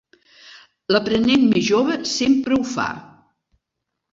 L'aprenent més jove sempre ho fa.